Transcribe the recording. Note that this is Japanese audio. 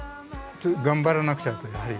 頑張らなくちゃという。